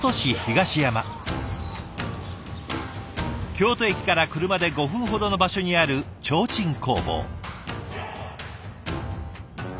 京都駅から車で５分ほどの場所にある提灯工房。